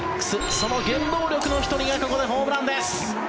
その原動力の１人がここでホームランです。